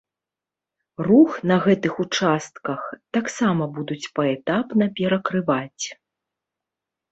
Рух на гэтых участках таксама будуць паэтапна перакрываць.